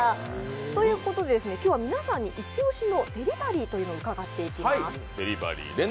ということで今日は皆さんにイチ押しのデリバリーを伺っていきます。